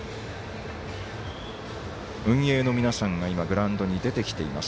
運営の皆さんがグラウンドに出てきています。